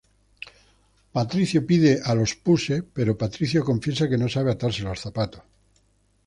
Patricio pide a los puse, pero Patricio confiesa que no sabe atarse los zapatos.